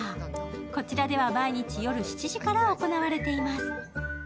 こちらでは毎日夜７時から行われています。